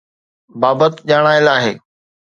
بابت ڄاڻايل آهي